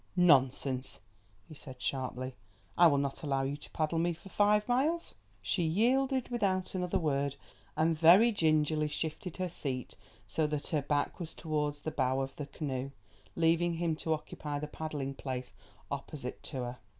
"Nonsense," he said sharply. "I will not allow you to paddle me for five miles." She yielded without another word, and very gingerly shifted her seat so that her back was towards the bow of the canoe, leaving him to occupy the paddling place opposite to her.